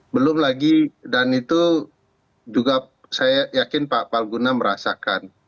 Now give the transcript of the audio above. belum lagi dan itu juga saya yakin pak palguna merasakan